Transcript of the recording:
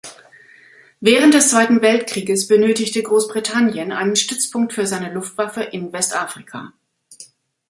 Während des Zweiten Weltkrieges benötigte Großbritannien einen Stützpunkt für seine Luftwaffe in Westafrika.